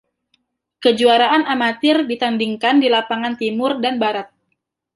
Kejuaraan Amatir ditandingkan di Lapangan Timur dan Barat.